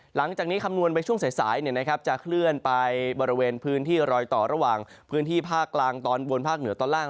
หลังจากนี้คำนวณไปช่วงสายจะเคลื่อนไปบริเวณพื้นที่รอยต่อระหว่างพื้นที่ภาคกลางตอนบนภาคเหนือตอนล่าง